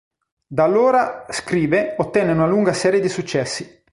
Da allora Scribe ottenne una lunga serie di successi.